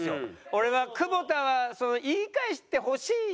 俺は久保田は言い返してほしいんじゃないか。